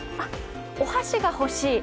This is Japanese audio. お箸が欲しい？